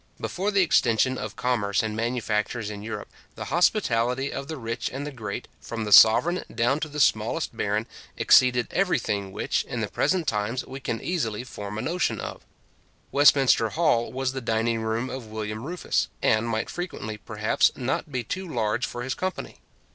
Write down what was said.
Before the extension of commerce and manufactures in Europe, the hospitality of the rich and the great, from the sovereign down to the smallest baron, exceeded every thing which, in the present times, we can easily form a notion of Westminster hall was the dining room of William Rufus, and might frequently, perhaps, not be too large for his company.